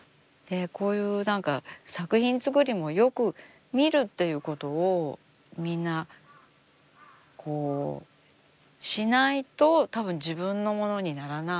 こういう何か作品作りもよく見るということをみんなしないとたぶん自分のものにならない